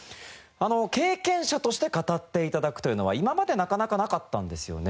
経験者として語って頂くというのは今までなかなかなかったんですよね。